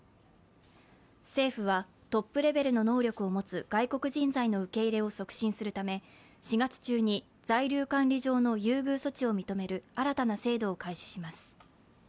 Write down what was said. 政府は、トップレベルの能力を持つ外国人材の受け入れを促進するため４月中に在留管理上の優遇措置を認める新たな制度を開始します。